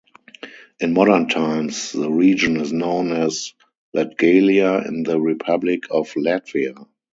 In modern times the region is known as Latgalia in the Republic of Latvia.